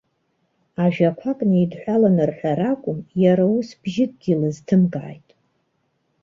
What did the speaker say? Ажәақәак неидҳәаланы рҳәара акәым, иара ус, бжьыкгьы лызҭымкааит.